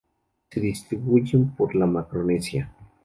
Se distribuyen por la Macaronesia.